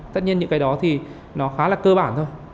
tất nhiên những cái đó thì nó khá là cơ bản thôi